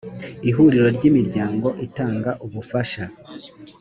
ihuriro ry’imiryango itanga ubufasha